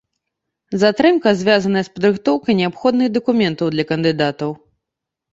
Затрымка звязаная з падрыхтоўкай неабходных дакументаў для кандыдатаў.